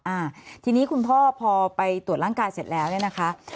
อ่าทีนี้คุณพ่อพอไปตรวจร่างกายเสร็จแล้วเนี่ยนะคะ